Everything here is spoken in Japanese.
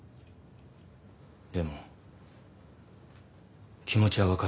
でも気持ちは分かる。